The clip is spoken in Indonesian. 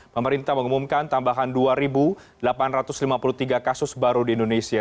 pemerintah mengumumkan tambahan dua delapan ratus lima puluh tiga kasus baru di indonesia